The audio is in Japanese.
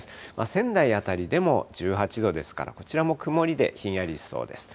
仙台辺りでも１８度ですから、こちらも曇りでひんやりしそうです。